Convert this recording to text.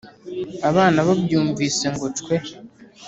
Abana babyumvise ngo cwe